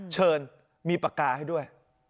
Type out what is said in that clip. เชิญมีปากกาให้ด้วย